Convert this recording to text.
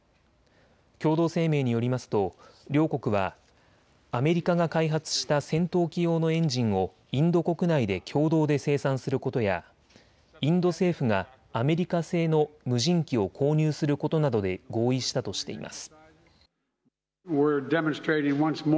共同声明によりますと両国はアメリカが開発した戦闘機用のエンジンをインド国内で共同で生産することやインド政府がアメリカ製の無人機を購入することなどで合意したとしています。